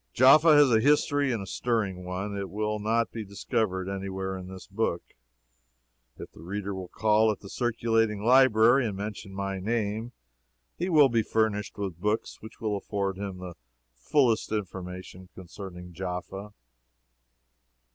Jaffa has a history and a stirring one. It will not be discovered any where in this book. If the reader will call at the circulating library and mention my name, he will be furnished with books which will afford him the fullest information concerning Jaffa.